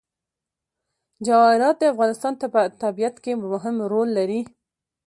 جواهرات د افغانستان په طبیعت کې مهم رول لري.